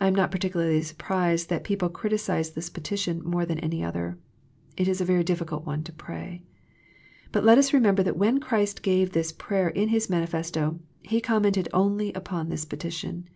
I am not particularly surprised that people criticise this petition more than any other. It is a very difficult one to pray, but let us remember that when Christ gave this prayer in His Manifesto, He commented only upon this petition.